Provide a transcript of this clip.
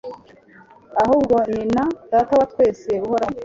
ahubwo ni na « Data wa twese uhoraho. »